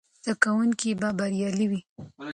زده کوونکي به بریالي وي.